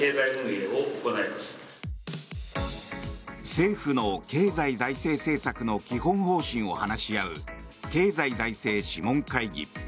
政府の経済財政政策の基本方針を話し合う経済財政諮問会議。